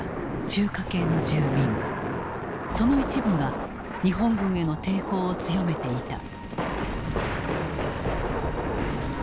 その一部が日本軍への抵抗を強めていた。